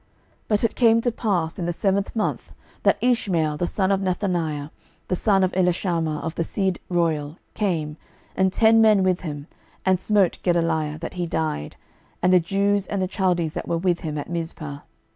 12:025:025 But it came to pass in the seventh month, that Ishmael the son of Nethaniah, the son of Elishama, of the seed royal, came, and ten men with him, and smote Gedaliah, that he died, and the Jews and the Chaldees that were with him at Mizpah.